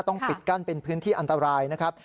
ต้องปิดกั้นเป็นพื้นที่อันตรายนะครับ